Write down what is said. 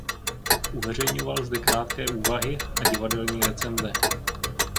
Uveřejňoval zde krátké úvahy a divadelní recenze.